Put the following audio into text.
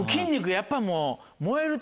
やっぱりもう。